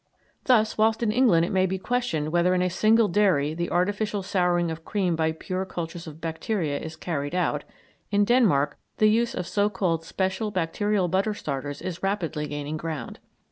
Thus, whilst in England it may be questioned whether in a single dairy the artificial souring of cream by pure cultures of bacteria is carried out, in Denmark the use of so called special bacterial butter starters is rapidly gaining ground.